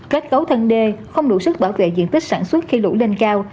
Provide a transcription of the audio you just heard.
kết cấu thân đê không đủ sức bảo vệ diện tích sản xuất khi lũ lên cao